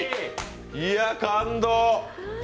いや、感動！